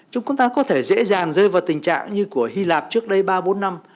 chúng ta có thể dễ dàng rơi vào tình trạng như của hy lạp trước đây ba bốn năm